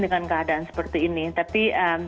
dengan keadaan seperti ini tapi